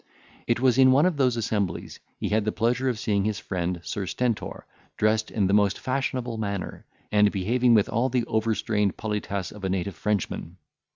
It was in one of those assemblies he had the pleasure of seeing his friend Sir Stentor, dressed in the most fashionable manner, and behaving with all the overstrained politesse of a native Frenchman.